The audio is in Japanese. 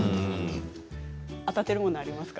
当たっているものはありますか？